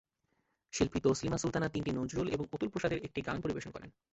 শিল্পী তাসলিমা সুলতানা তিনটি নজরুল এবং অতুলপ্রসাদের একটি গান পরিবেশন করেন।